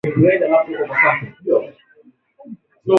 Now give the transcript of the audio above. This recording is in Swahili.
Uwezekano wa kutibika kwa ugonjwa wa kuhara ndama ni mzuri